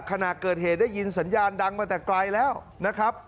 ขณะเกิดเหตุได้ยินสัญญาณดังมาแต่ไกลแล้วนะครับ